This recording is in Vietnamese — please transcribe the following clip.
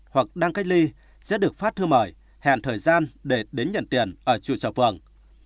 hoặc đang cách ly sẽ được phát thư mời hẹn thời gian để đến nhận tiền ở trụ sở phường